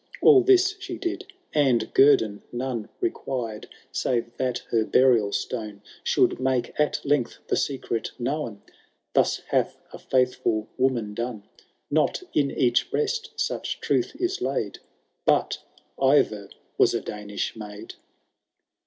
— All this she did, and guerdon none fiequired, saye that her buiial stone Should make at length the secret known, ' Thus hath a fiuthfiil woman done.*— Not in each breast such truth is laid, But Eivir was a Danish maid.